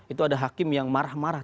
itu ada hakim yang marah marah